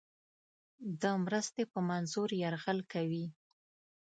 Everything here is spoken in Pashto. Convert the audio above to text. د مرستې په منظور یرغل کوي.